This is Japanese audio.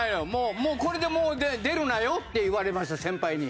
もうこれで出るなよって言われました先輩に。